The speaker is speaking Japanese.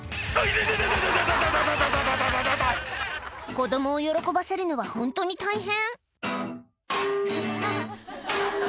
子供を喜ばせるのはホントに大変